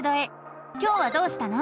今日はどうしたの？